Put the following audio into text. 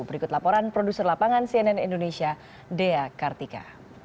berikut laporan produser lapangan cnn indonesia dea kartika